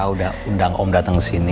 udah undang om dateng di sini